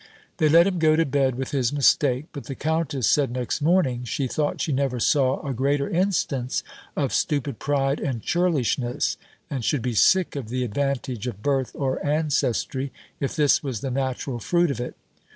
They let him go to bed with his mistake: but the countess said next morning, she thought she never saw a greater instance of stupid pride and churlishness; and should be sick of the advantage of birth or ancestry, if this was the natural fruit of it.